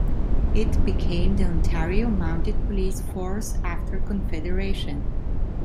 It became the Ontario Mounted Police Force after Confederation.